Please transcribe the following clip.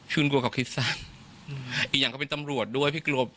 คุณกลัวกับคิดซะอีกอย่างเขาเป็นตำรวจด้วย